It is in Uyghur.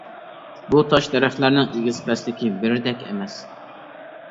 بۇ تاش دەرەخلەرنىڭ ئېگىز-پەسلىكى بىردەك ئەمەس.